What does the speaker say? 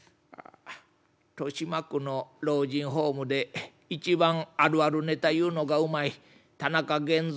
「豊島区の老人ホームで一番あるあるネタ言うのがうまい田中源造